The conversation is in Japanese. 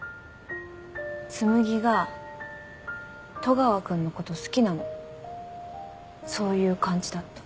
紬が戸川君のこと好きなのそういう感じだった。